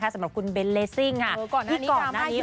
สำหรับคุณเบนเลสซิ่งก่อนหน้านี้